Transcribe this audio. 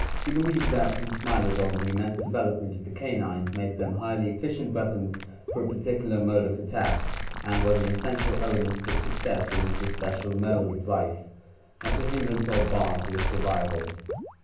He be lieves that in Smilodon, the immense development of the canines "made them highly efficient weapons for a particular mode of attack and was an essential element of its success in its especial mode of life, not a hindrance or bar to its survival."